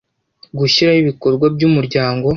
gushyiraho ibikorwa by umuryango